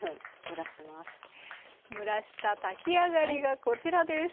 蒸らした炊き上がりがこちらです。